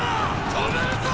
止めるぞォ！